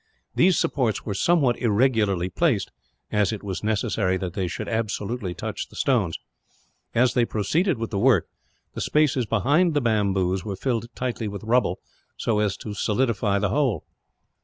These supports were somewhat irregularly placed, as it was necessary that they should absolutely touch the stones. As they proceeded with the work, the spaces behind the bamboos were filled tightly up with rubble, so as to solidify the whole.